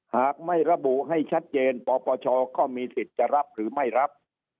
หากไม่ระบุให้ชัดเจนปปชก็มีสิทธิ์จะรับหรือไม่รับ